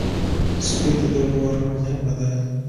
سپي ته د اوبو ورکړه مهمه ده.